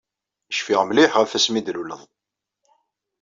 Cfiɣ mliḥ ɣef asmi d-tluleḍ.